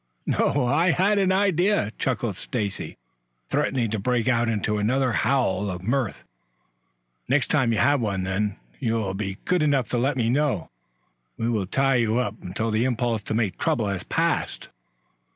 "No, I I had an idea," chuckled Stacy, threatening to break out into another howl of mirth. "Next time you have one, then, you will be good enough to let me know. We will tie you up until the impulse to make trouble has passed."